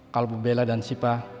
kalau bu bella dan syifa